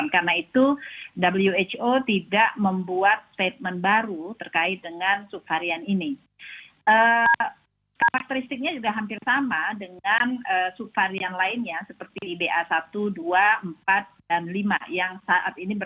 kita sudah berpengalaman dua tahun lebih